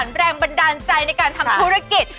แรงบันดาลใจในการทำธุรกิจ